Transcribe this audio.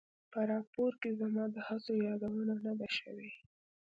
په راپور کې زما د هڅو یادونه نه ده شوې.